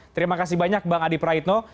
terima kasih banyak bang adi praitno